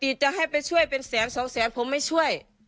จะให้ไปช่วยเป็นแสนสองแสนผมไม่ช่วย